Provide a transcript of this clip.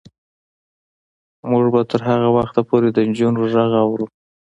موږ به تر هغه وخته پورې د نجونو غږ اورو.